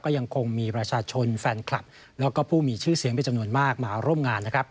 ยังคงมีประชาชนแฟนคลับแล้วก็ผู้มีชื่อเสียงเป็นจำนวนมากมาร่วมงานนะครับ